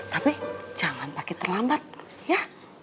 tapi jangan pakai terlambat ya